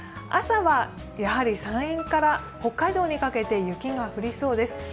朝はやはり山陰から北海道にかけて雪が降りそうです。